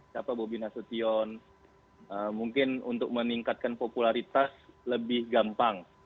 siapa bobi nasution mungkin untuk meningkatkan popularitas lebih gampang